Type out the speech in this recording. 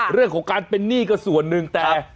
เรื่องของการเป็นหนี้ก็ส่วนหนึ่งแต่